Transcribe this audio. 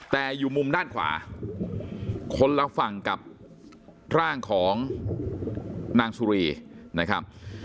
แต่อยู่มุมด้านขวาคนละฝั่งกับร่างของนางสุรีนะครับ